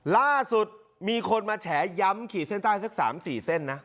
ล่าสุดมีคนมาแฉย้ำขีดเส้นใต้สัก๓๔เส้นนะ